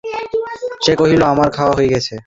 সে কহিল, আমার খাওয়া হইয়া গেছে।